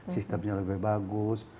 sistemnya lebih bagus